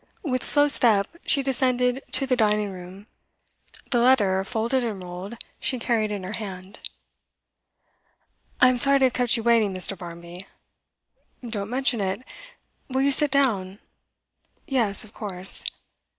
With slow step she descended to the dining room. The letter, folded and rolled, she carried in her hand. 'I'm sorry to have kept you waiting, Mr. Barmby.' 'Don't mention it. Will you sit down?' 'Yes, of course.